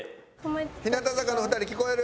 日向坂の２人聞こえる？